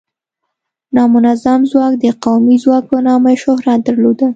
نامنظم ځواک د قومي ځواک په نامه شهرت درلوده.